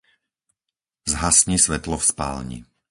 Zhasni svetlo v spálni.